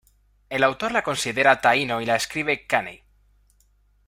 El autor la considera taíno y la escribe "caney".